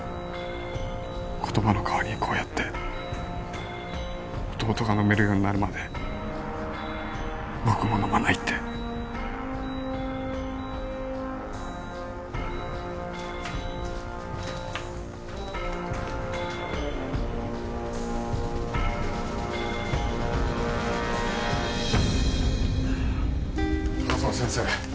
言葉の代わりにこうやって弟が飲めるようになるまで僕も飲まないって高砂先生